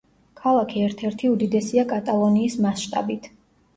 ქალაქი ერთ-ერთი უდიდესია კატალონიის მასშტაბით.